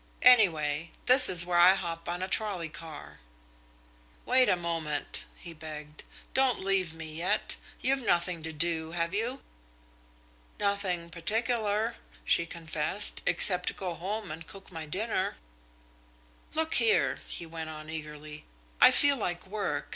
Anyway, this is where I hop on a trolley car." "Wait a moment," he begged. "Don't leave me yet. You've nothing to do, have you?" "Nothing particular," she confessed, "except go home and cook my dinner." "Look here," he went on eagerly, "I feel like work.